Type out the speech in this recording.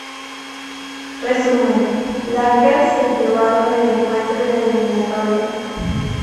Resumen: Lakers se llevaron el encuentro y la eliminatoria.